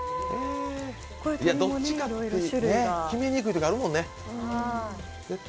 どっちか決めにくいときあるもんね。